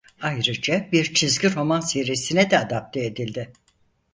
Ayrıca bir çizgi roman serisine de adapte edildi.